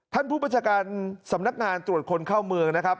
ท่านผู้ประชาการสำนักงานตรวจคนเข้าเมืองนะครับ